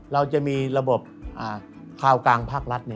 เราจะมีระบบคราวกลางภาครัฐ